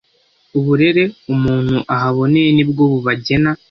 Uburere umuntu ahaboneye nibwo bubagena